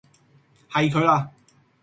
係佢啦!